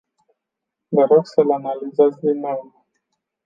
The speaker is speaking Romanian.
Vă rog să-l analizați din nou.